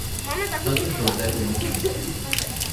São José do Mantimento